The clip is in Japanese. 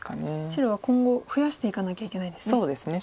白は今後増やしていかなきゃいけないですね。